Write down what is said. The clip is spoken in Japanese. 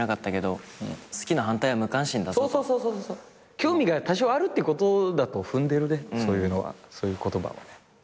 興味が多少あるってことだと踏んでるねそういう言葉はね。